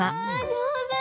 上手！